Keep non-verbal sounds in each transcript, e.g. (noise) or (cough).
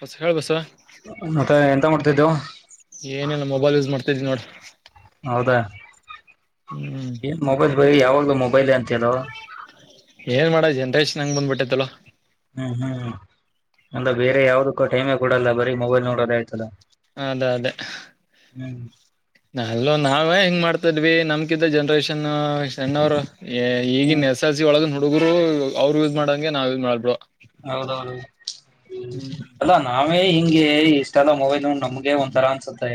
ಬಸ ಹೇಳೇಳ್ ಬಸ ಮತ್ತೆ ಎಂತ ಮಾಡ್ತಿದ್ದೆವು ಏನೇನು ಮೊಬೈಲ್ ಯೂಸ್ ಮಾಡ್ತಿದ್ ನೋಡ ಹೌದಾ ಹ್ಮ್ ಏನ್ ಮೊಬೈಲ್ ಬರ ಯಾವಾಗಲ ಮೊಬೈಲ್ ಅಂತೀಯಾಲೋ ಏನ್ ಮಾಡೋ ಜನ್ರೇಷನ್ ಹಂಗಗೆ ಬಂದ್ಬಿಟ್ಟೈತ್ತಲ್ ಹ್ಮ್ ಹ್ಮ್ ಒಂದ ಬೇರೆ ಯಾವ್ದಕ್ಕ ಟೈಮೇ ಕೊಡಲ್ಲ ಬರೀ ಮೊಬೈಲ್ ನೋಡೋ ಆಯ್ತಲ್ಲ ಅದೇ ಅದೇ ಹ್ಮ್ ನಲ್ಲು ನಾವೇ ಹೆಂಗ್ ಮಾಡ್ತ ನಮ್ಕಿದ್ದ ಜನರೇಷನ್ ಸಣ್ಣವರು ಹ್ಮ್ ಈಗನ್ ಎಸ್ ಎಲ್ ಸಿ ಒಳಗ ನೋಡ ಹುಡುಗರು ಅವ್ರು ಯೂಸ್ ಮಾಡಂಗೆ ನಾವ್ ಯೂಸ್ ಮಾಡ್ಬು ಹೌದೌದು ಅಲ್ಲಾ ನಾವೇ ಹಿಂಗೆ ಇಷ್ಟ ಎಲ್ಲ ಮೊಬೈಲ್ ನಮ್ಗೆ ಒಂ ತರ ಅನ್ಸುತ್ತೆ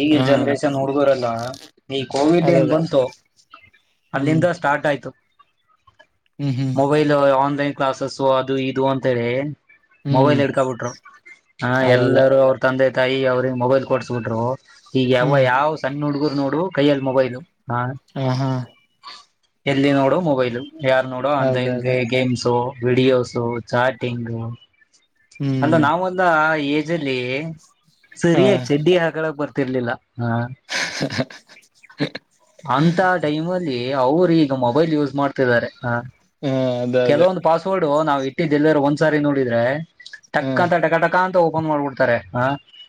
ಈಗ ಹಾ ಜನ್ರೇಷನ್ ಹುಡ್ಗರಲ್ಲ ಈ ಕೋವಿಡ್ ಅದ ಏನ್ ಅದೇ ಬಂತು ಹ್ಮ್ ಅಲ್ಲಿಂದ ಸ್ಟಾರ್ಟ್ ಆಯ್ತು ಹ್ಮ್ ಹ್ಮ್ ಮೊಬೈಲ್ ಆನ್ಲೈನ್ ಕ್ಲಾಸಸು ಅದು ಇದು ಅಂತೇಳಿ ಹ್ಮ್ ಮೊಬೈಲ್ ಹಿಡ್ಕಬಿಟ್ರು ಹ ಅದ ಅದೇ ಎಲ್ಲರೂ ಅವ್ರ ತಂದೆ ತಾಯಿ ಅವ್ರಿಗೆ ಮೊಬೈಲ್ ಕೊಡ್ಸ್ಬಿಟ್ರು ಈಗ ಯಾವ್ ಹ್ಮ್ ಯಾವ್ ಸಣ್ಣ ಹುಡ್ಗುರು ನೋಡು ಕೈಯಲ್ಲಿ ಮೊಬೈಲು ಹ ಹಾ ಹಾ ಎಲ್ಲಿ ನೋಡು ಮೊಬೈಲು ಯಾರ್ ನೋಡು ಅದ ಆನ್ಲೈನ್ಗೆ ಅದೇ ಗೇಮ್ಸ ವಿಡಿಯೋಸು ಚಾಟಿಂಗು ಹ್ಮ್ ಅಂದ ನಾವ ಒಂದ ಏಜ್ ಅಲ್ಲಿ ಹ ಸರಿಯ ಹ ಚೆಡ್ಡ ಹಾಕಳಕ್ ಬರ್ತಿರ್ಲಿಲ್ಲ ಹಾ ಅಂತ ಟೈಮ್ ಅಲ್ಲಿ ಅವರು ಈಗ ಮೊಬೈಲ್ ಯೂಸ್ ಮಾಡ್ತಿದ್ದಾರೆ ಅದ ಅದೇ ಕೆಲವೊಂದು ಪಾಸ್ವರ್ಡ್ ನಾವ್ ಇಟ್ಟಿದ್ದ ಎಲ್ಲಿರು ಒಂದ್ಸಾರಿ ನೋಡಿದ್ರೆ ಹ ಟಕ್ಕ ಅಂತ ಟಕಾ ಟಕ ಅಂತ ಓಪನ್ ಮಾಡ್ಬಿಡ್ತಾರೆ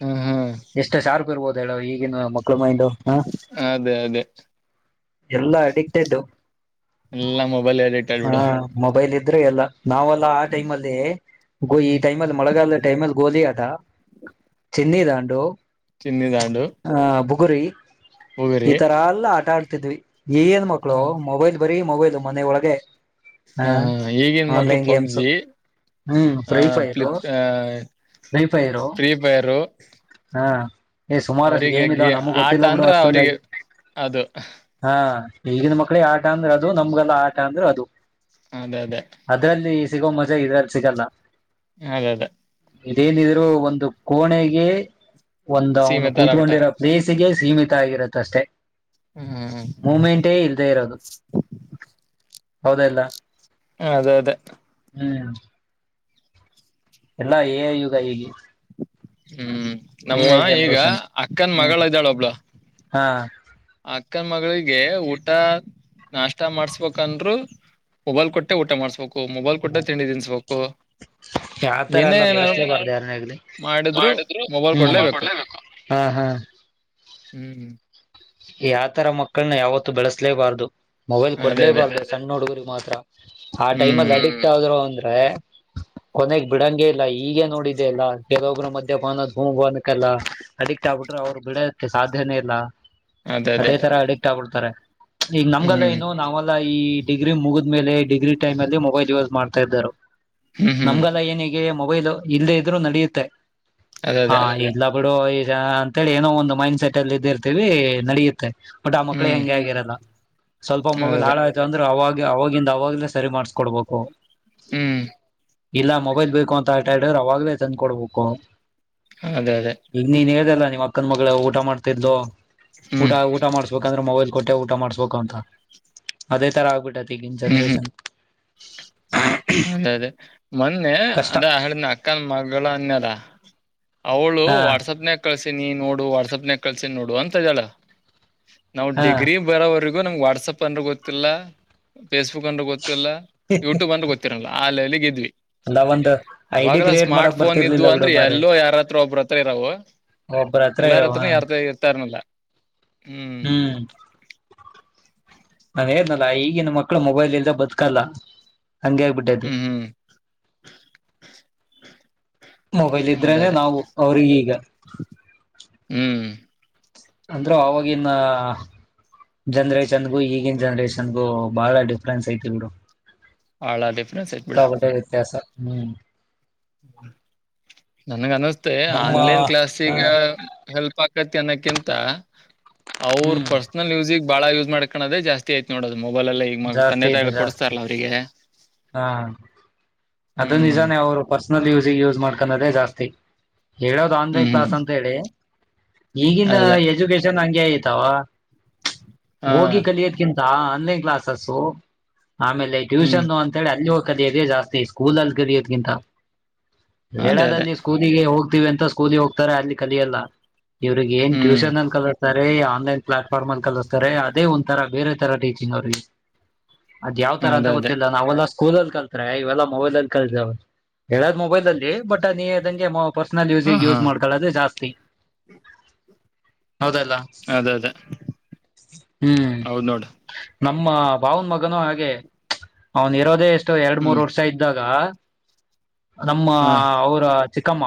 ಹ ಹಾ ಎಷ್ಟು ಸಾರಪ್ ಇರ್ಬೋದು ಹೇಳ ಈಗ ಮಕ್ಕಳು ಮೈಂಡು ಅದೇ ಅದೇ ಎಲ್ಲಾ ಅಡಿಕ್ಟೆಡ್ ಎಲ್ಲಾ ಮೊಬೈಲ್ ಎಡಿಕ್ಟ್ ಹಾ ಆಗ್ಬಿಡು ಮೊಬೈಲ್ ಇದ್ರೆ ಎಲ್ಲ ನಾವೆಲ್ಲಾ ಆ ಟೈಮ್ ಅಲ್ಲಿ ಗೋ ಈ ಹ್ಮ್ ಟೈಮ್ಲ್ಲಿ ಮಳಗಾಲ ಟೈಮಲ್ಲಿ ಗೋಲಿ ಆದ ಚೀನಿಧಡ್ ಚಿನ್ನಿದಾಂಡು ಬುಗುರಿ ಬುಗುರಿ ಇತರಲ್ ಆಟಟ ಏನ್ ಹ ಮಕ್ಕಳು ಮೊಬೈಲ್ ಬರೀ ಮೊಬೈಲ್ ಮನೆ ಒಳಗೆ ಹ ಈಗಿನ ಮಕ್ಳು ಆನ್ಲೈನ್ ಗೇಮ್ಸ್ ಪಬ್ಜಿ ಹ್ಮ್ ಆ free fire flip free fire free fire ಹಾ ಈ ಸುಮಾರು ಅಷ್ಟಿಗೆ ಅವರಿಗೆ ಮ ಇದಾವ ಗ ನಮ್ಗೆ ಆಟ ಗೊತ್ತಿಲ್ಲಪಡ ಅಂದ್ರ ಅವ್ರಿಗೆ ಅಷ್ಟಂದಾಗಿ ಅದು ಹಾ ಈಗಿನ ಮಕ್ಕಳಿಗೆ ಆಟ ಅಂದ್ರೆ ಅದು ನಮ್ಗೆಲ್ಲ ಆಟ ಅಂದ್ರೆ ಅದು ಅದೇ ಅದೇ ಅದ್ರಲ್ಲಿ ಸಿಗೋ ಮಜಾ ಇದ್ರಲ್ಲಿ ಸಿಗಲ್ಲ ಅದ ಅದೇ ಇದೇನಿದ್ರು ಒಂದು ಕೋಣೆಗೆ ಒಂದು ಅವನು ಸೀಮಿತರ ಆಗ್ಬಿಟ್ಟಾರ ಕೂತ್ಕೊಂಡಿರೋ ಪ್ಲೇಸ್ಗೆ ಸೀಮಿತ ಆಗಿರುತ್ತ ಅಷ್ಟೇ ಹ್ಮ್ ಮೂಮೆಂಟೇ ಇಲ್ದೆೇ ಇರೋದು ಹೌದಲ್ಲ ಅದೇ ಅದೇ ಹ್ಮ್ ಎಲ್ಲ ಈಗ ಹೇಗ ಹ್ಮ್ ನಮ್ಮ ಈಗ ಅಕ್ಕನ್ ಹ್ಮ್ ಮಗಳ್ ಇದ್ದಾಳ್ ಒಬ್ಳ. ಹಾ ಅಕ್ಕನ್ ಮಗ್ಳಿಗೆ ಊಟ ನಾಷ್ಟ ಮಾಡ್ಸ್ಬೇಕಂದ್ರು. ಮೊಬೈಲ್ ಕೊಟ್ಟೆ ಊಟ ಮಾಡ್ಸ್ಬೇಕು ಮೊಬೈಲ್ ಕೊಟ್ಟೆ ತಿಂಡಿ ತಿನ್ಸಬೇಕು. ಯಾ ತರ ಎಲ್ಲ ಬೆಳಸಲೇಬಾರ್ದ ಯಾರನೇ ಆಗ್ಲಿ. ಮಾಡಿದ್ರು ಮೊಬೈಲ್ ಕೊಡ್ಲೆ ಬೇಕು ಹಾ ಹಾ. ಹ್ಮ್ ಹ್ಮ್ ಯಾತರ ಮಕ್ಕಳ್ನ ಯಾವತ್ತು ಬೆಳಸ್ಲೆಬರ್ದು ಮೊಬೈಲ್ ಅದೇ ಅದೇ ಕೊಡ್ಲೇಬಾರ್ದು ಸಣ್ಣ ಹುಡುಗ್ರಿಗ್ ಮಾತ್ರ. ಆ ಹ್ಮ್ ಟೈಮಗ್ ಅಡಿಕ್ಟ್ ಆದ್ರು ಅಂದ್ರೆ. ಕೊನೆಗ್ ಬಿಡಂಗೆ ಇಲ್ಲ ಈಗ ನೋಡಿದೆ ಇಲ್ಲ ಕೆಲವೊಬ್ರು ಮಧ್ಯಪಾನ ದೂಮಪಾನಕ್ಕಲ್ಲ ಅಡಿ ಅಡಿಕ್ಟ್ ಆಗ್ಬಿಟ್ರೆ ಅವ್ರು ಬಿಡಕ್ ಸಾಧ್ಯನೇ ಇಲ್ಲ ಅದೇ ತರ ಅಡಿಕ್ಟ್ ಆಗ್ಬಿಡ್ತಾರೆ. ಈಗ ನಮ್ಗಲ್ಲ ಹ್ಮ್ ಏನು ನಾವೆಲ್ಲಾ ಈ ಡಿಗ್ರಿ ಮುಗಿದ್ ಮೇಲೆ ಡಿಗ್ರಿಟೈಮ್ ಅಲ್ಲಿ ಮೊಬೈಲ್ ಯೂಸ್ ಮಾಡ್ - ಹ್ಮ್ - ಹ್ಮ್ ನಮ್ಗೆಲ್ಲ ಏನಿಗೆ ಮೊಬೈಲು ಇಲ್ದೆೇ ಇದ್ರು ನಡ್ಯುತ್ತೆ. ಅದೇ ಹಾ ಅದೇ ಇಲ್ಲಾ ಬಿಡು ಈಗ ಅಂತೇಳಿ ಏನೋ ಒಂದು ಮೈಂಡ್ ಸೆಟ್ ಅಲ್ಲಿ ಇದ್ದಿರ್ತೀವಿ. ನಡೆಯುತ್ತೆ ಬಟ್ ಆ ಮಕ್ಳೇ ಹ್ಮ್ ಹೆಂಗೆ ಆಗಿರಲ್ಲ ಸ್ವಲ್ಪ ಅದೇ ಮೊಬೈಲ್ ಅದೇ ಹಾಳಾಯ್ತು ಅಂದ್ರೆ ಅವಾಗ್. ಅವಾಗಿಂದ ಅವಾಗ್ಲೇ ಸರಿ ಮಾಡ್ಸ್ಕೊಡ್ಬೇಕು. ಹ್ಮ್ ಇಲ್ಲ ಮೊಬೈಲ್ ಬೇಕು ಅಂತ ಆಟ ಇಡುದ್ರೆ ಅವಾಗ್ಲೇ ತಂದ್ ಕೊಡ್ಬೇಕು. ಅದೇ ಅದೇ ಈಗ್ ನೀನ್ ಹೇಳ್ದಲ್ಲ ನೀಮ್ ಅಕ್ಕನ್ ಮಗ್ಳು ಊಟ ಮಾಡ್ತಿದ್ಲು. ಊಟ ಹ್ಮ್ ಊಟ ಮಾಡಸ್ಬೇಕಂದ್ರೆ ಮೊಬೈಲ್ ಕೊಟ್ಟೆ ಊಟ ಮಾಡಸ್ಬೇಕು ಅಂತ ಅದೇ ತರ ಆಗ್ಬಿಟ್ಟೈತಿ. ಈಗಿನ್ ಹ್ಮ್ ಹ್ಮ್ ಜನ್ರೇಷನ್. ಅದೇ ಅದೇ ಮೊನ್ನೆ ಕಷ್ಟ ಅದ ಹಳಿನ ಅಕ್ಕನ್ ಮಗ್ಳು ಅಂದ್ಯಲ್ಲ. ಅವ್ಳು ಹಾ ವಾಟ್ಸಪ್ ನಾಗ್ ಕಳ್ಸಿನಿ ನೋಡು ವಾಟ್ಸಪ್ ನಾಗ್ ಕಳ್ಸಿನಿ ನೋಡು ಅಂತ್ ಇದಳ. ನಾವು ಹಾ ಡಿಗ್ರಿ ಬರೋವರ್ಗೂ ನಂಗ್ ವಾಟ್ಸಪ್ ಅಂದ್ರೆ ಗೊತ್ತಿಲ್ಲ ಫೇಸ್ಬುಕ್ ಅಂದ್ರ ಗೊತ್ತ ಗೊತ್ತಿಲ್ಲ ಯೂಟ್ಯೂಬ್ ಅಂದ್ರ ಗೊತ್ತಿರಲ್ಲ ಆ ಲೆವೆಲ್ಗ್ ಇದ್ವಿ. ಅಲ್ಲ ಒಂದು ಐಡಿ ಅವಾಗೆಲ್ಲ ಕ್ರಿಯೇಟ್ ಸ್ಮಾರ್ಟ್ ಮಾಡಕ್ ಫೋನ್ ಬರ್ತಿರ್ಲಿಲ್ಲ ಇದ್ವು ಬಿಡು ಅಂದ್ರೆ ಮಾರಾಯ ಎಲ್ಲೋ ಯಾರತ್ರ ಒಬ್ರ ಹತ್ರ ಇರವು. ಒಬ್ಬರ ಹತ್ರ ಎಲ್ಲಾರ ಇರವ ಹತ್ರಾನು ಯಾರ್ ಇರ್ತನಲ್ಲ. ಹ್ಮ್ ನಾನ್ ಹೇಳ್ದ್ ನಲ್ಲ ಈಗಿನ್ ಮಕ್ಳು ಮೊಬೈಲ್ ಇಲ್ದೆ ಬದ್ಕಲ್ಲ. ಅಂಗೇ ಆಗ್ಬಿಟ್ಟದ್ದೆ. ಹ್ಮ್ ಹ್ಮ್ ಮೊಬೈಲ್ ಅದೇ ಇದ್ರನೆ ಅದೇ ನಾವು ಅವ್ರಿಗಿಗ. ಹ್ಮ್ ಅಂದ್ರೆ ಅವಾಗಿನ್ನ ಜನ್ರೇಷನ್ಗು ಈಗಿನ ಜನ್ರೇಷನ್ಗು ಬಾಳ ಡಿಫ್ರೆನ್ಸ್ ಐತಿ ಬಿಡು. ಭಾಳ ಡಿಫ್ರೆನ್ಸ್ ಐತ್ ಬಿಡು ಸಿಕ್ಕಾ ಪಟ್ಟೆ ವ್ಯತ್ಯಾಸ ಹ್ಮ್. (inaudible) ನನ್ಗ ಅನಸ್ತೆ ನಮ್ಮ ಆನ್ಲೈನ್ ಹ ಕ್ಲಾಾಸಗ ಹೆಲ್ಪ್ ಆಕತಿ ಅನ್ನ ಕಿಂತ ಅವ್ರ ಹ್ಮ್ ಪರ್ಸನಲ್ ಯುಸಿಗ್ ಬಾಳ ಯೂಸ್ ಮಾಡ್ಕಣದೇ ಜಾಸ್ತಿ ಆಯ್ತ್ ನೋಡು. ಮೊಬೈಲೆಲ್ಲಾ ಈಗ ಮ ಜಾಸ್ತಿ ತಂದೆ ಇದೆ ತಾಯಿ ಜಾಸ್ತಿ ಕೊಡ್ಸ್ತಾರಲ್ಲ ಇದೆ ಅವರಿಗೆ. ಹಾ ಅದು ಹ್ಮ್ ನಿಜಾನೇ ಅವ್ರು ಪರ್ಸನಲ್ ಯುಸಿಗ್ ಯೂಸ್ ಮಾಡ್ಕದೇ ಜಾಸ್ತಿ. ಹೇಳದು ಆನ್ಲೈನ್ ಹ್ಮ್ ಕ್ಲಾಸ್ ಹ್ಮ್ ಅಂತ್ ಹೇಳಿ. ಈಗಿನ ಅದೇ ಎಜುಕೇಶನ್ ಹಂಗೆ ಐತಾವ ಹಾ ಹೋಗಿ ಕಲಿಯೋದ್ಕಿಂತ ಆನ್ಲೈನ್ ಕ್ಲಾಸಸ್ಸು ಆಮೇಲೆ ಹ್ಮ್ ಟ್ಯೂಷನ್ ಅಂ ಅಲ್ಲಿ ಹೋಗ್ ಕಲ್ಯದೆ ಜಾಸ್ತಿ ಸ್ಕೂಲ್ ಅಲ್ಲಿ ಕಲ್ಯೋದ್ಕಿಂತ ಅದೇ ಅದೇ ಹೇಳೋದಲ್ಲಿ ಸ್ಕೂಲಿಗೆ ಹೋ ವಿ ಅಂತ ಸ್ಕೂಲ್ ಹೋಗ್ತಾರೆ ಅಲ್ಲಿ ಕಲ್ಯಲ್ಲ ಇವ್ರಿಗೆ ಏನ್ ಹ್ಮ್ ಟ್ಯೂಷನ್ ಅಲ್ಲಿ ಕಲಿಸ್ತಾರೆ ಅ ಆನ್ಲೈನ್ ಪ್ಲಾಟ್ಫಾರ್ಮ್ ಅಲ್ಲಿ ಕಲಿಸ್ತಾರೆ ಅದೇ ಒಂ ತರ ಬೇರೆ ತರ ಟೀಚಿಂಗ್ ಅವ್ರರಿಗೆ. ಅದ್ ಯಾವ್ ತರ ಅದ ಅಂತ ಅದೇ ಗೊತ್ತಿಲ್ಲ ನಾವೆಲ್ಲಾ ಸ್ಕೂಲ್ ಅಲ್ಲಿ ಕಲ್ತ್ರೆ ಇವೆಲ್ಲಾ ಮೊಬೈಲ ಅಲ್ಲಿ ಕಲ್ತವ. ಹೇಳದ್ ಮೊಬೈಲ್ ಅಲ್ಲಿ ಬಟ್ ನೀ ಇಳ್ದಂಗೆ ಪರ್ಸನಲ್ ಹಾ ಯೂಸಸಿಗ್ ಹಾ ಯೂಸ್ ಮಾಡ್ಕೊಳ್ಳದೆ ಜಾಸ್ತಿ. ಹೌದಲ್ಲ ಅದ ಅದೇ ಹ್ಮ್ ನಾ ಹೌದ್ ನೋಡು ನಮ್ಮ ಭಾವನ್ ಮಗನು ಹಾಗೆ ಅವ್ನು ಇರೋದೇ ಎಷ್ಟೋ ಎರಡ್ ಮೂರ್ ಹ್ಮ್ ವರ್ಷ ಇದ್ದಾಗ. ನಮ್ಮ ಹಾ ಅವ್ರ ಚಿಕ್ಕಮ್ಮ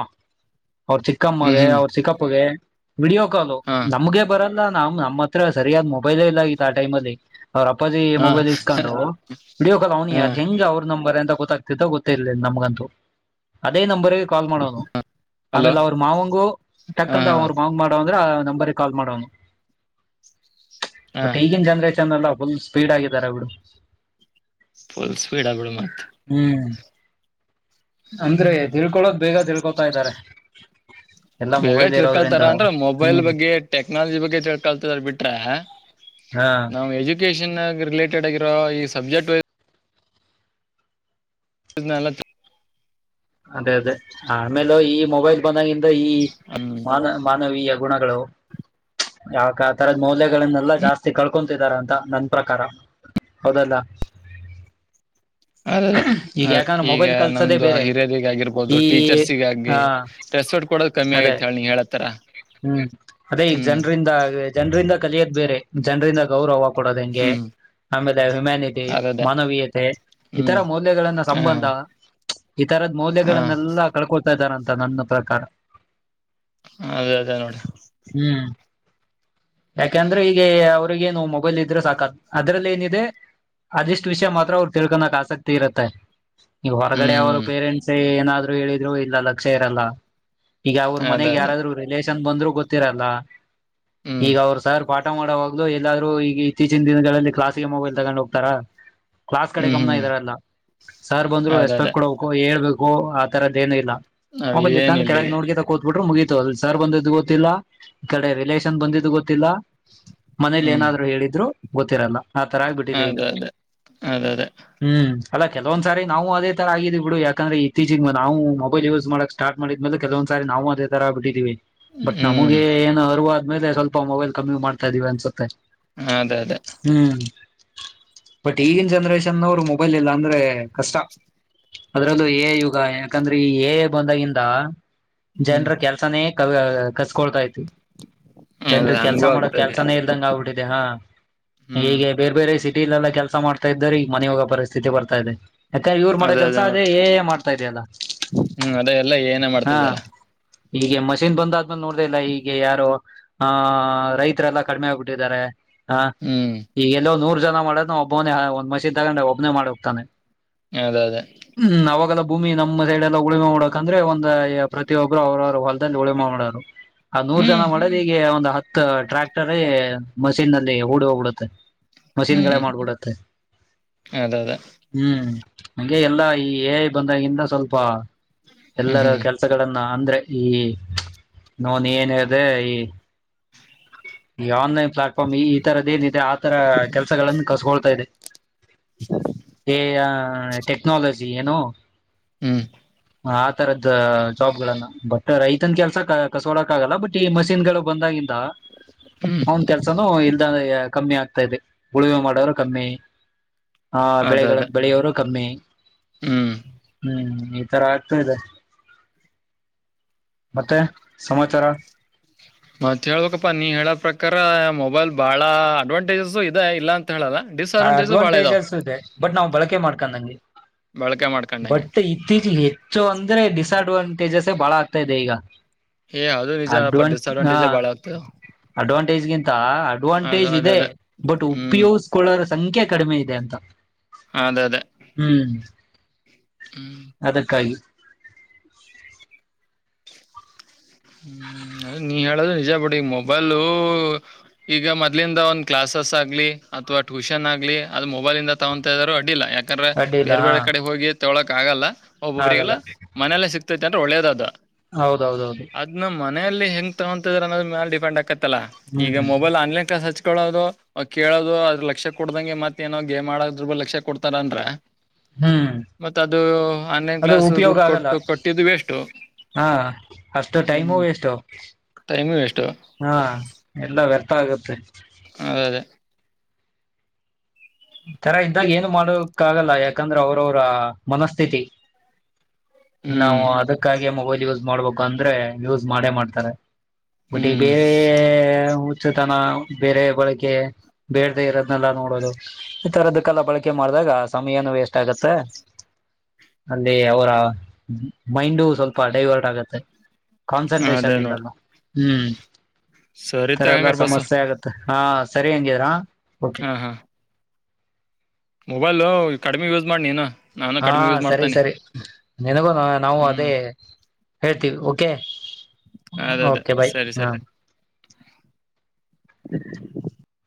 ಅವ್ರ್ ಹ್ಮ್ ಚಿಕ್ಕಮ್ಮಗೆ ಹ್ಮ್ ಅವ್ರ್ ಚಿಕ್ಕಪ್ಪಗೆ. ವಿಡಿಯೋ ಕಾಲು ಹಾ ನಮ್ಗೆ ಬರಲ್ಲ ನಾ ಮ್ ನಮ್ಮ ಹತ್ರ ಸರಿಯಾದ್ ಮೊಬೈಲೆ ಇಲ್ಲ ಇಂತ ಟೈಮ್ ಅಲ್ಲಿ. ಅವ್ರ ಅಪ್ಪಾಜಿ ಹಾ ಮೊಬೈಲ್ ಇಸ್ಕೊಂಡು ವಿಡಿಯೋ ಕಾ ಅವನಿ ಹಾ ಅದ್ ಹೆಂಗ ಅವ್ರ ನಂಬರ್ ಅಂತ ಗೊತ್ತಾಗ್ತದ ಗೊತ್ತೇ ಇರ್ಲಿಲ್ಲ ನಮ್ಗಂತೂ ಅದೇ ನಂಬರ್ ಕಾಲ್ ಮಾಡೋನು ಹಲೋ ಆಮೇಲೆ ಅವ್ರ ಮಾವಂಗ ಹಾ ಟಕ್ಕಂತ ಹಾ ಅವ್ರು ಮಾವಂಗ ಮಾಡೋ ನಂಬರ್ ಕಾಲ್ ಮಾಡ ಹಾ ಬ ಈಗ ಜನ ಲ್ಲ ಫುಲ್ ಸ್ಪೀಡ್ ಆಗಿದ್ದಾರೆ ಅವರು ಫುಲ್ ಸ್ಪೀಡ್ ಆ ಬಿಡ ಮತ್ತ ಅಂದ್ರೆ ಹ್ಮ್ ತಿಳ್ಕೊಳಕ್ ಬೇಗ ತಿಳ್ಕೊತಾ ಇದ್ದಾರೆ ಎಲ್ಲಾ ಬೇಗ ಮೊಬೈಲ್ ತಿಳ್ಕಲ್ತಾರ ಇರೋದ್ರಿಂದ ಅಂದ್ರ ಮೊಬೈಲ್ ಹ್ಮ್ ಬಗ್ಗೆ ಟೆಕ್ನಾಲಜಿ ಬಗ್ಗೆ ತಿಳ್ಕಲ್ತದಾರ ಬಿಟ್ರ ಹಾ ನಾವವು ಎಜುಕೇಶನ್ ಆ ರಿಲೇಟೆಡ್ ಆಗಿರೋ ಈ ಸಬ್ಜೆಕ್ಟ್ ಇ ನಲ್ಲ ಅದೇ ಅದೇ ಆಮೇಲೆ ಈ ಮೊಬೈಲ್ ಬಂದಾಗಿಂದ ಈ ಹ್ಮ್ ಮಾನ ಮಾನವೀಯ ಗುಣಗಳು ಯಾವಕ ಆ ತರದ್ ಮೌಲ್ಯಗಳನ್ನೆಲ್ಲಾ ಜಾಸ್ತಿ ಕಳ್ಕೊಂತಿದಾರ ಅಂತ ನನ್ ಪ್ರಕಾರ ಹೌದಲ್ಲ ಅದ ಈಗ ಅದ ಯಾಕಂದ್ರೆ ಈಗ ಮೊಬೈಲ್ ಕಲ್ಸೋದೇ ನಮ್ದು ಬೇರೆ ಹಿರಯ ಗ ಆಗಿರ್ಬಹುದು ಈ ಟೀಚರ್ಸ್ಗಾಗಿ ಹಾ ರೆಸ್ಪೆಕ್ಟ್ ಕೊಡೋದು ಕಮ್ಮಿ ಅದೇ ಆಗೈ ನೀ ಹೇಳತ್ತರ ಹ್ಮ್ ಅದೇ ಈಗ ಹ್ಮ್ ಜನರಿಂದ ಜನರಿಂದ ಕಲಿಯೋದ್ ಬೇರೆ ಜನರಿಂದ ಗೌರವ ಕೊಡೋದು ಹೆಂಗೆ ಹ್ಮ್ ಆಮೇಲೆ ಹ್ಯುಮ್ಯಾನಿಟಿ ಅದದೇ ಮಾನವೀಯತೆ ಇತರ ಹ್ಮ್ ಮೌಲ್ಯಗಳನ್ನ ಹ ಸಂಬಂಧ ಈ ತರದ್ ಹ ಹ ಮೌಲ್ಯಗಳನ್ನೆಲ್ಲಾ ಕಳ್ಕೊತಾ ಇದ್ದಾರಂತ ನನ್ನ ಪ್ರಕಾರ ಅದೇ ಅದೇ ನೋಡಿ ಯಾಕಂದ್ರೆ ಈಗ ಅವ್ರಿಗ ಏನು ಮೊಬೈಲ್ ಇದ್ರೆ ಸಾಕತ್ ಅದ್ರಲ್ಲಿ ಏನಿದೆ ಅದಿಷ್ಟು ವಿಷಯ ಮಾತ್ರ ಅವರು ತಿಳ್ಕೊಕ್ ಆಸಕ್ತಿ ಇರುತ್ತೆ ನೀವು ಹ್ಮ್ ಹೊರಗಡೆ ಅವರು ಹ್ಮ್ ಪೇರೆಂಟ್ಸ್ ಏನಾದ್ರು ಹೇಳಿದ್ರು ಇಲ್ಲ ಲಕ್ಷ ಇರಲ್ಲ ಈಗ ಅವ್ರ ಅದೇ ಮನೆಗೆ ಅದೇ ಯಾರಾದ್ರರು ನ್ ಬಂದ್ ಗೊತ್ತಿರಲ್ಲ ಹ್ಮ್ ಈಗ ಅವರು ಸರ್ ಪ ಆಊಟ ಮಾಡೋವಾಗ್ಲು ಎಲ್ಲಾರರೂ ಈಗ ಇತ್ತೀಚಿನ ದಿನಗಳಲ್ಲಿ ಕ್ಲಾಸ್ಗೆ ಮೊಬೈಲ್ ತಗೊಂಡ್ ಹೋಗ್ತಾರ ಕ್ಲಾಸ್ ಕಡೆ ಹ್ಮ್ ಗಮನ ಹ್ಮ್ ಇದಾರಲ್ಲಾ ಸರ್ ಬಂದ್ರು ಅದ ಅದೇ ರೆಸ್ಪೆಕ್ಟ್ ಕೊಡಬೇಕು ಹೇಳ್ಬೇಕು ಆ ತರದ ಏನು ಇಲ್ಲ ನಾವ್ ಆಬ ಏನ್ ಕೆಳ ಇಲ್ಲಿಗೆ ನೋಡ್ಗೆ ತೋತ ಬಿಟ್ರೆ ಮುಗೀತು ಅಲ್ಲಿ ಸಾರ್ ಬಂದಿದು ಗೊತ್ತಿಲ್ಲ ಈ ಕಡೆ ರಿಲೇಷನ್ ಬಂದಿದ್ದ್ ಗೊತ್ತಿಲ್ಲ ಮನೇಲಿ ಹ್ಮ್ ಏನಾದ್ರು ಹೇಳಿದ್ರು ಗೊತ್ತಿರಲ್ಲ ಆ ತರ ಆಗ್ಬಿಟ್ಟಿದೆ ಈಗ ಅದ ಅದೇ ಅದ ಅದೇ ಹ್ಮ್ ಅಲ್ಲ ಕೆಲವಂದ್ ಸಾರಿ ನಾವು ಅದೇ ತರ ಆಗ್ವಿ ಬಿಡು ಯಾಕ್ರೆ ಇತ್ತೀಚಿಗೆ ನಾವು ಮೊಬೈಲ್ ಯೂಸ್ ಮಾಡಕ್ ಸ್ಟಾರ್ಟ ಮಾಡಿದ್ಮೇಲೆ ಕೆವೊಂದ ಸ ನಾವು ಅದ ತರ ಬಿಟ್ಟಿದೀವಿ ಬಟ್ ಹ್ಮ್ ನಮಗೆ ಏನು ಅರ್ವಾದ್ಮೇಲೆ ಸ್ವಲ್ಪ ಮೊಬೈಲ್ ಕಮ್ಮಿ ಮಾಡ್ತಾ ಇದೀವಿ ಅನ್ಸುತ್ತೆ ಹ ಅದೇ ಅದೇ ಹ್ಮ್ ಬಟ್ ಈಗಿನ ಜನ್ರೇಷನ್ ಅವರು ಮೊಬೈಲ್ ಇಲ್ಲ ಅಂದ್ರೆ ಕಷ್ಟ ಅದ್ರಲ್ಲೂ ಏ ಯುಗ ಯಾಕಂದ್ರೆ ಈ ಏ ಬಂದಾಗಿಂದ ಹ್ಮ್ ಜನರ ಕೆಲ್ಸನೇ ಕಸ್ಕೊಳ್ತಾ ಇ ಅದ ಜನ್ರ ಕೆಲ್ಸ ಹಂಗೂ ಮಾಡಕ್ ಆಗ್ತದೆ ಕೆಲ್ಸಾನೇ ಇರ್ದಂಗ ಆಗ್ಬಿಟ್ಟಿದೆ ಹಾ ಹ್ಮ್ ಹೀಗೆ ಬೇರೆ ಬೇರೆ ಸಿ ಇಲ್ಲ ಕೆಲಸ ಮಾಡ್ತಾ ಇ ಅದೇ ಅದೇ ನೋಡು ಹ್ಮ್ ಅದೇ ಎಲ್ಲ ಏನೇ ಮಾಡ್ತಿದ್ದ್ಯಲ್ಲ ಈಗೆ ಮಷೀನ್ ಬಂದ ಆದ್ಮೇ ನೋಡ್ದಲ್ಲ ಈೀಗೆ ಯಾರು ಆ ರೈತರೆಲ್ಲ ಕಡಿಮೆ ಆಗ್ಬಿಟ್ಟಿದ್ದಾರೆ ಹ ಹ್ಮ್ ಈ ಎಲ್ಲೋ ನೂರು ಜ ಮಾಡ ನಾ ಒಬ್ಬನ ಒಂದ ಮಶೀನ್ ತಗೊಂಡು ಒಬ್ಬನೇ ಮಾಡ ಹೋಗ್ತಾನೆ ಅದ ಅದ ಹ್ಮ ಅವಾಗೆಲ್ಲ ಭೂಮಿ ನಮ್ಮ ಸೈಡ್ ಎಲ್ಲ ಉಳಿಮ ಮಾಡಡಕ ಅಂದ್ರೆ ಒಂದ ಪ್ರತಿಯೊಬ್ಬರು ಅವ್ರವ್ರ ಹೊಲ್ದಲ್ಲಿ ಉಳಿಮೇ ಮಾಡೋರು ಆ ನೂರ್ ಜನ ಹ್ಮ್ ಮಾಡ್ರ ಈಗ ಒಂದು ಹತ್ ಟ್ರ್ಯಾಕ್ಟರ್ ಮಷೀನ್ಲ್ಲಿ ಹೂಡಿ ಹೋಗ್ಬಿಡುತ್ತೆ ಮಷಿನ್ಗಳೇ ಮಾಡ್ಬಿಡತ್ತೆ ಅದೌದ ನಂಗೆ ಎಲ್ಲಾ ಈ ಏ ಬಂದಾಗಿಂದ ಸ್ವಲ್ಪ ಹ್ಮ್ ಎಲ್ಲರ ಹ್ಮ್ ಕೆಲ್ಸಗಳ ಅಂದ್ರೆ ಈ ನೋನ್ ಏನ್ದೆ ಈ ಈ ಆನ್ಲೈನ್ ಪ್ಲಾಟ್ಫಾರ್ ಈ ತರದ ಏನ್ ಆತರ ಕೆಲಸಗಳನ್ನು ಕಸಕೊಳ್ತಾ ಇದೆ ಟೆಕ್ನಾಲಜಿ ಏನೋ ಹ್ಮ್ ಆ ತರದ ಜಾಬ್ ಗಳನ್ನ ಬಟ್ ರೈತನ್ ಕೆಲ್ಸ ಕಸಕೊಳ್ಳೋಕೆ ಆಗಲ್ಲ ಬಟ್ ಈ ಮಷಿನ್ ಗಳು ಬಂದಾಗಿಂದ ಹ್ಮ್ ಅವನ್ ಕೆಲ್ಸನುೂ ಇಲ್ದ ಕಮ್ಮಿ ಆಗ್ತಾ ಇದೆ ಉಳಿವೆ ಮಾಡೋರು ಕಮ್ಮಿ ಹಾ ಅದ ಬೆಳೆಗಳ ಅದ ಬೆಳೆಯೋರು ಕಮ್ಮಿ ಹ್ಮ್ ಹ್ಮ್ ಈ ತರ ಆಗ್ತಾ ಇದೆ ಮತ್ತೆ ಸಮಾಚಾರ ಮತ್ ಹೇಳ್ಬೇಕಪ್ಪಾ ನೀ ಹೇಳ ಪ್ರಕಾರ ಮೊಬೈಲ್ ಬಾಳ ಅಡ್ವಾಂಟೇಜಸ್ ಇದೆ ಇಲ್ಲಾ ಅಡ್ವಾಂಟೇಜಸ್ ಇದೆ ಬಟ್ ನಾ್ ಬಳಕೆ ಮಾಡ್ವಿ ನಗೆ ಬಳಕೆ ಮಾಡ್ಕೊಂಡಂಗೆ ಬಟ್ ಇತ್ತೀಚಗೆ ಹೆಚ್ಚು ಅಂದ್ರೆ ಡಿಸ್ಅಡ್ವಾಂಟೇಜಸ್ ಬಳಾ ಆಗ್ತಿದೆ ಹೇ ಹೌದು ನಿಜ ಸಅಡ್ವಾಂಟಜೆ ಬಾಳಾಗತ ಅಡ್ವಾಂಟೇಜ್ಗಿಂತ ಅಡ್ವಾಂಟೇಜ್ ಅದ ಇದೆ ಅದ ಬಟ್ ಹ್ಮ್ ಉಪಯೋಗಕ ಸಂಖ್ಯೆ ಕಡಿಮೆ ಇದೆ ಅಂತ ಅದ ಅದ ಹ್ಮ್ ಹ್ಮ್ ಅದಕ್ಕಾಗಿ ಹ್ಮ್ ಅದ ನೀ ಹೇಳದು ನಿಜ ಬಿಡಿ ಈ ಮೊಬೈಲು ಈಗ ಮೊದ್ಲಿಂದ ಒಂದ್ ಕ್ಲಾಸ್ ಸ್ ಆಗ್ಲಿ ಅಥವಾ ಟ್ಯೂಷನ್ ಆಗ್ಲಿ ಅದು ಮೊಬೈಲ್ಂದ ತಗೊಂತ ಇದ್ರು ಅಡಿಲ್ಲ ಯಾಕೆ ಯಾಕಂದ್ರೆ ಅಡ್ಡಿಲ್ಲ ಬೇರ್ ಹಾ ಬೇರೆ ಕಡೆ ಹೋಗಿ ತೊಳೋಕ್ ಆಗಲ್ಲ ಆಗಲ್ಲ ಒಬ್ಬೊಬ್ರಿಗೆಲ್ಲ ಮನೇಲ್ಲೇ ಸಿಕ್ತೈತಿ ಅಂದ್ರೆ ಒಳ್ಳೇದ ಅದು ಹೌದೌದೌದು ಅದ್ ಮನೇಯಲ್ಲಿ ಹೆಂಗ್ ತಗೊತಿದ್ರ ಅನ್ನದ್ರ ಮೇಾಲ ಡಿಪೆಂಡ್ ಆಕತ್ತಲ್ಲ ಹ್ಮ್ ಈಗ ಮೊಬೈಲ್ ಆನ್ಲೈನ್ ಕ್ಲಸ್ ಹಚ್ಚ ಕೊಳ್ಳೋದು ಕೇಳೋದು ಅದ್ರ ಲಕ್ಷ ಕೊಡ್ದಂ ಮತ್ತ ಏನೋ ಗೇಮ್ ಆದ್ರು ಲಕ್ಷ ಕೊಡ್ತಾರ ಅಂದ್ರ ಹ್ಮ್ ಮತ್ತ ಅದು ಆನ್ಲೈನ್ ಅದು ಕ್ಲಾಸ್ ಉಪಯೋಗ ದುಡ್ಡು ಆಗಲ್ಲ ಕೊಟ್ಟು ಕೊಟ್ಟಿದ್ದು ವೆಷ್ಟು ಹಾ ಅಷ್ಟ ಟೈಮು ವೇಸ್ಟ್ ಟೈಮು ವೇಸ್ಟು ಹಾ ಎಲ್ಲ ವ್ಯರ್ಥ ಆಗುತ್ತೆ ಅದೇ ಅದೇ ತರ ಇದ್ದಾಗ ಏನು ಮಾಡಕ್ಕ ಆಗಲ್ಲ ಯಾಕಂದ್ರೆ ಅವ್ರವ್ರ ಮನಸ್ಥಿತಿ ನಾವು ಹ್ಮ್ ಅದಕ್ಕಾಗಿ ಮೊಬೈಲ್ ಯೂಸ್ ಮಾಡ್ಬೇಕು ಅಂದ್ರೆ ಯೂಸ್ ಮಾಡೇ ಮಾಡ್ತಾರೆ ಹ್ಮ್ ಮತ್ತೆ ತನ ಬೇರೆ ಬಳಕಗೆ ಬೇಡದೆ ಇರೋದ್ನೆಲ್ಲ ನೋಡೋದು ಈಥರದ್ದ ಕಲ್ಲ ಬಳಕೆ ಮಾಡ್ದಾಗ ಸಮಯ ಏನು ವೇಸ್ಟ್ ಆಗತ್ತೆ ಅಲ್ಲಿ ಅವರ ಮೈಂಡು ಸ್ವಲ್ಪ ಡೈವರ್ಟ್ ಆಗತ್ತೆ ಹ ಅದೇ ಕಾನ್ಸಂಟ್ರೇಷನ್ ನೋಡ್ ಇಲ್ಲಲ್ಲ ಹ್ಮ್ ಸರಿತ ತಥರ ಎಲ್ಲ ಹಂಗಾರ ಬಸ್ಸು ಸಮಸ್ಯೆ ಆಗತ್ತೆ ಹಾ ಸರಿ ಹಂಗಾರಾ ಹಾ ಹಾ ಮೊಬೈಲು ಕಡಿಮೆ ಯೂಸ್ ಮಾಡಿ ನೀನು ನಾನು ಹಾ ಕಡಿಮೆ ಯೂಸ್ ಸರಿ ಮಾಡ್ತನೆ ಸರಿ ನಿನಗೂ ನಾವು ಅದೇ ಹೇಳ್ತೀವಿ ಓಕೆ ಅದ ಅದೇ ಓಕೆ ಬಾಯ ಸರಿ ಸರಿ ಹಾ